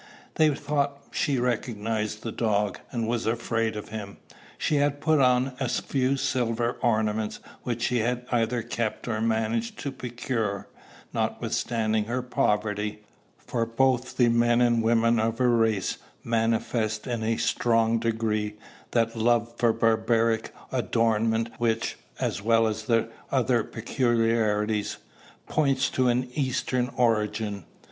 They thought she recognized the dog, and was afraid of him. She had put on a few silver ornaments which she had either kept or managed to procure, notwithstanding her poverty; for both the men and women of her race manifest in a strong degree that love for barbaric adornment which, as well as their other peculiarities, points to an Eastern origin.